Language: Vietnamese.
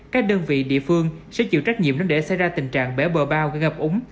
các đơn vị địa phương sẽ chịu trách nhiệm nếu để xảy ra tình trạng bể bờ bao gây ngập úng